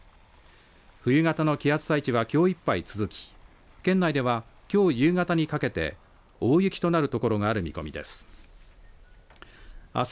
冬型の気圧配置はきょういっぱい続き県内では、きょう夕方にかけて大雪となる所がある見込みです。